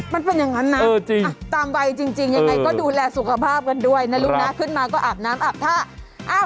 มันเป็นอย่างนั้นนะตามวัยจริงยังไงก็ดูแลสุขภาพกันด้วยนะลูกนะขึ้นมาก็อาบน้ำอาบท่า